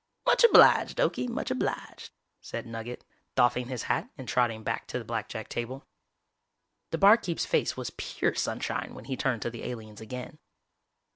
"Much obliged, Okie, much obliged," said Nugget, doffing his hat and trotting back to the blackjack table. The barkeep's face was pure sunshine when he turned to the aliens again.